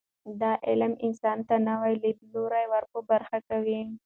دا علم انسان ته نوي لیدلوري ور په برخه کوي.